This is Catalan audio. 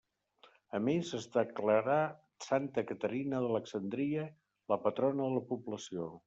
A més, es declarà Santa Caterina d'Alexandria la patrona de la població.